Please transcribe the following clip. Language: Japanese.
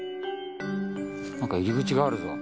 なんか入り口があるぞ。